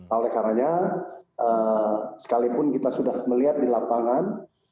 oleh karena sekalipun kita sudah melihat di lapangan